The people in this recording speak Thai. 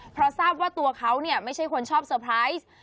เพราะทราบว่าตัวเขาไม่ใช่คนชอบเซอร์ไพรส์